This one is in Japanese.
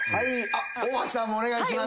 大橋さんもお願いします。